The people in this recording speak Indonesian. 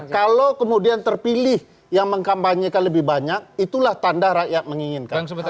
kalau kemudian terpilih yang mengkampanyekan lebih banyak itulah tanda rakyat menginginkan